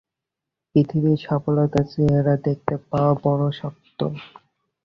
পৃথিবীতে সফলতার চেহারা দেখতে পাওয়া বড়ো শক্ত।